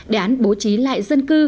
đán bố trí lại dân cư